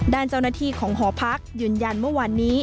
ด้านเจ้าหน้าที่ของหอพักยืนยันเมื่อวานนี้